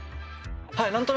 はい。